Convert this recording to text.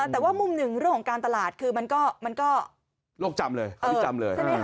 แต่ว่ามุมหนึ่งเรื่องของการตลาดคือมันก็โลกจำเลยอันนี้จำเลย